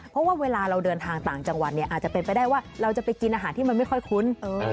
เพราะว่าเวลาเราเดินทางต่างจังหวัดเนี่ยอาจจะเป็นไปได้ว่าเราจะไปกินอาหารที่มันไม่ค่อยคุ้น